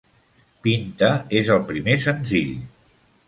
"Pinta" és el primer senzill.